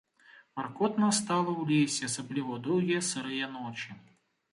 Маркотна стала ў лесе, асабліва ў доўгія сырыя ночы.